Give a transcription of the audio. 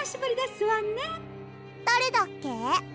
だれだっけ？